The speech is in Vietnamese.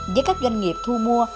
với các doanh nghiệp thu mua